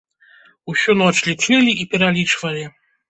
Усю ноч лічылі і пералічвалі.